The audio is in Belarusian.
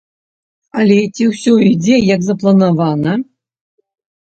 Але ці ўсё ідзе, як запланавана?